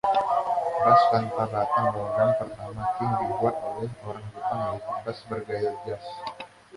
Bass tanpa batang logam pertama King dibuat oleh orang Jepang yaitu bass bergaya Jazz.